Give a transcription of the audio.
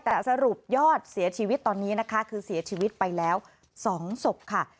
แต่สรุปยอดเสียชีวิตตอนนี้นะคะคือเสียชีวิตไปแล้ว๒ศพค่ะ